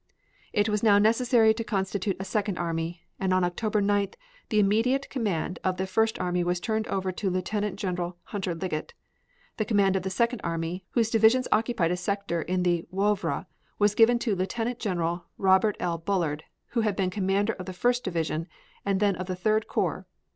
It was now necessary to constitute a second army, and on October 9th the immediate command of the First Army was turned over to Lieutenant General Hunter Liggett. The command of the Second Army, whose divisions occupied a sector in the Woevre, was given to Lieutenant General Robert L. Bullard, who had been commander of the First Division and then of the Third Corps.